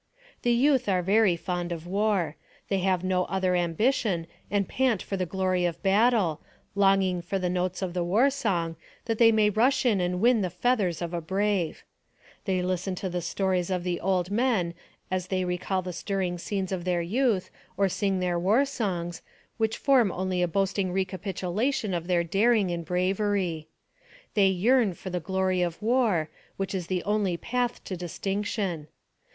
The youth are very fond of war. They have no other ambition, and pant for the glory of battle, long ing for the notes of the war song, that they may rush in and win the feathers of a brave. They listen to the stories of the old men, as they recall the stirring scenes AMONG THE SIOUX INDIANS. 189 of their youth, or sing their war songs, which form only a boasting recapitulation of their daring and bravery. They yearn for the glory of war, which is the only path to distinction.